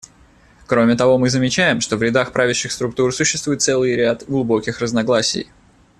Кроме того, мы замечаем, что в рядах правящих структур существует целый ряд глубоких разногласий.